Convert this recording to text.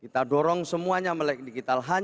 kita dorong semuanya melek digital